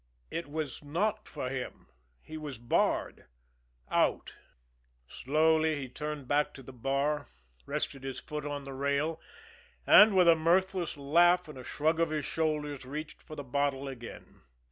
It was not for him, he was barred out. Slowly he turned back to the bar, rested his foot on the rail, and, with a mirthless laugh and a shrug of his shoulders, reached for the bottle again.